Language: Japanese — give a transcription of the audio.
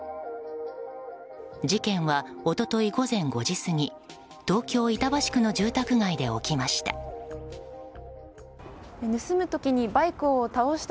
事件は、一昨日午前５時過ぎ東京・板橋区の住宅街で起きました。